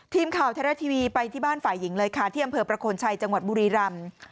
ทีมข่าวไทยรัฐทีวีไปที่บ้านฝ่ายหญิงเลยค่ะที่อำเภอประโคนชัยจังหวัดบุรีรำ